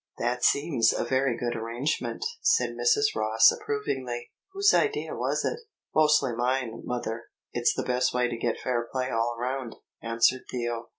"That seems a very good arrangement," said Mrs. Ross approvingly. "Whose idea was it?" "Mostly mine, mother. It's the best way to get fair play all round," answered Theo.